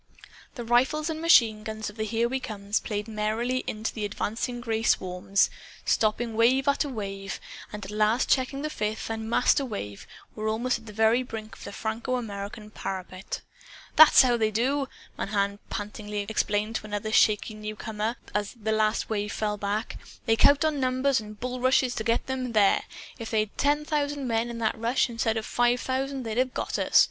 The rifles and machine guns of the Here We Comes played merrily into the advancing gray swarms, stopping wave after wave, and at last checking the fifth and "master" wave almost at the very brink of the Franco American parapet. "That's how they do!" Mahan pantingly explained to a rather shaky newcomer, as the last wave fell back. "They count on numbers and bullrushes to get them there. If they'd had ten thousand men, in that rush, instead of five thousand, they'd have got us.